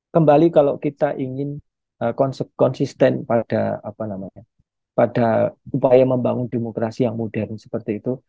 kembali kalau kita ingin konsisten pada upaya membangun demokrasi yang modern seperti itu